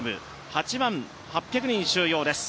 ８万８００人収容です。